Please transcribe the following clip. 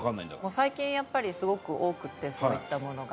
最近やっぱりすごく多くってそういったものが。